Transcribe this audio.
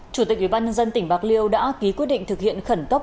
chủ tịch ubnd tỉnh bạc liêu đã ký quyết định thực hiện khẩn cấp